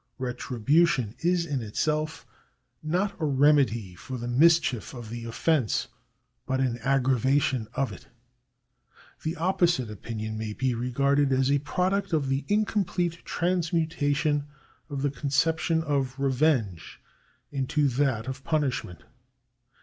Retribution is in itself not a remedy for the mischief of the offence, but an aggravation of it. The opposite opinion may be regarded as a product of the incomplete transmutation of the conception of revenge into that of punishment.